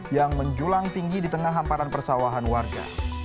yang menjulang tinggi di tengah hamparan persawahan warga